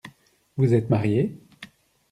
Vous êtes marié ?